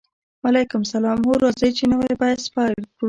وعلیکم السلام هو راځئ چې نوی بحث پیل کړو